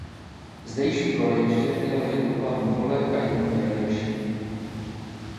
Zdejší kolejiště mělo jednu hlavní kolej a jednu vedlejší.